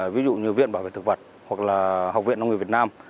ví dụ như viện bảo vệ thực vật hoặc là học viện nông nghiệp việt nam